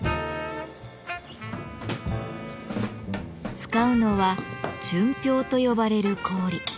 使うのは「純氷」と呼ばれる氷。